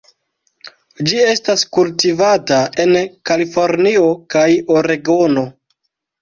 Ĝi estas kultivata en Kalifornio kaj Oregono.